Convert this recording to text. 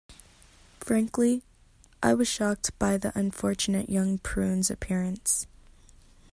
Frankly, I was shocked by the unfortunate young prune's appearance.